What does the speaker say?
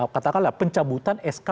katakanlah pencabutan sk